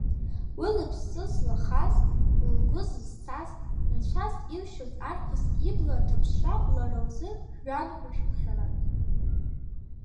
Уи лыԥсы злахаз, лгәы зызцаз, нцәас илшьоз арԥыс ибла аҭаԥшра лара лзы жәҩангәашәԥхьаран.